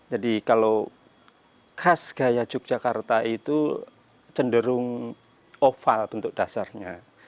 jadi kalau khas gaya yogyakarta itu cenderung oval bentuk dasarnya